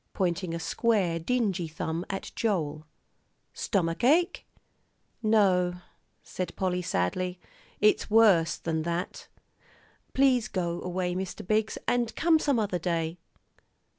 pointing a square, dingy thumb at Joel. "Stomach ache?" "No," said Polly, sadly, "it's worse than that. Please go away, Mr. Biggs, and come some other day."